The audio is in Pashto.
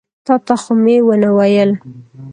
تا ته خو مې ونه ویل.